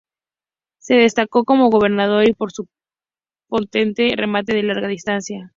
Se destacó como goleador y por su potente remate de larga distancia.